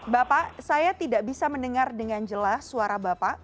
bapak saya tidak bisa mendengar dengan jelas suara bapak